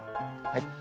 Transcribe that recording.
はい。